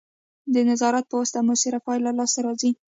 د نظارت په واسطه مؤثره پایله لاسته راځي.